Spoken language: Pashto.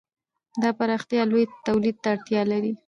دا پراختیا لوی تولید ته اړتیا لري.